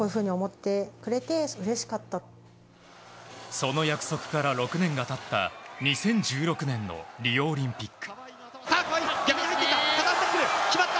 その約束から６年が経った２０１６年のリオオリンピック。